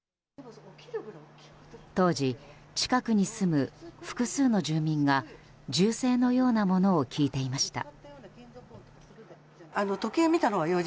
当時、近くに住む複数の住民が銃声のようなものを聞いていました。